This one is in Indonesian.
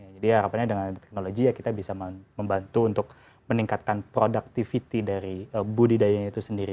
jadi harapannya dengan teknologi ya kita bisa membantu untuk meningkatkan productivity dari budidayanya itu sendiri